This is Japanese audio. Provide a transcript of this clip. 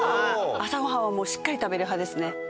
朝ご飯はもうしっかり食べる派ですね。